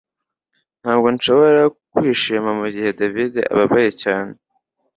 Ntabwo nshobora kwishima mugihe David ababaye cyane